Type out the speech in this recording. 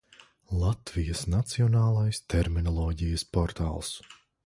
Latvijas Nacionālais terminoloģijas portāls